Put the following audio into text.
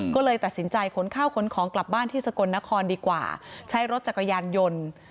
ก็เลยตัดสินใจขนข้าวขนของกลับบ้านที่สกลนครดีกว่าใช้รถจักรยานยนต์